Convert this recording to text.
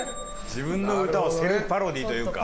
自分の歌をセルフパロディーというか。